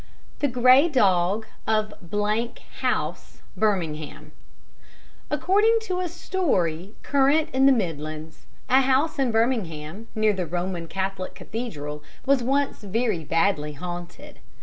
The Grey Dog of House, Birmingham According to a story current in the Midlands, a house in Birmingham, near the Roman Catholic Cathedral, was once very badly haunted.